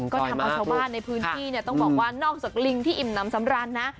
ก็ทำเอาชาวบ้านในพื้นที่เนี่ยต้องบอกว่านอกจากลิงที่อิ่มน้ำสำราญนะ